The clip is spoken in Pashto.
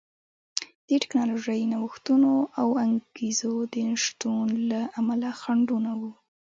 د ټکنالوژیکي نوښتونو او انګېزو د نشتون له امله خنډونه وو